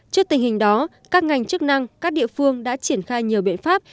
trước tình hình đó các ngành chức năng các địa phương đã triển khai nhiều biện pháp